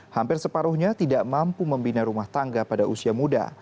hampir separuhnya tidak mampu membina rumah tangga pada usia muda